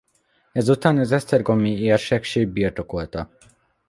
Ezután az esztergomi érsekség birtokolta.